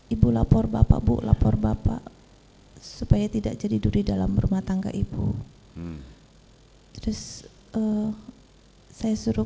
ibu lapor bapak bu lapor bapak supaya tidak jadi duri dalam rumah tangga ibu terus saya suruh